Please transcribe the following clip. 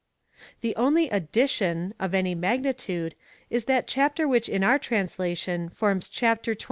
The only addition of any magnitude is that chapter which in our translation forms chapter xxi.